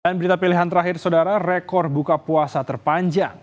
dan berita pilihan terakhir saudara rekor buka puasa terpanjang